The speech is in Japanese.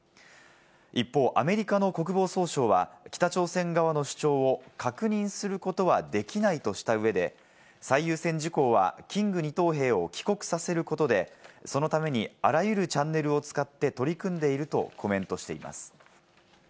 一方、アメリカの国防総省は北朝鮮側の主張を確認することはできないとした上で、最優先事項は、キング２等兵を帰国させることで、そのためにあらゆるチャンネルを使って取り組んでいるとコメントしています。